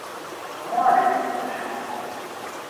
Comment allez-vous, ma chère enfant ?